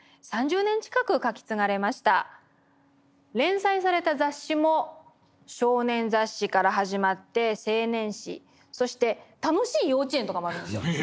連載された雑誌も少年雑誌から始まって青年誌そして「たのしい幼稚園」とかもあるんですよ。